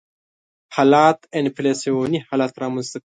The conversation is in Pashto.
حالت انفلاسیوني حالت رامنځته کوي.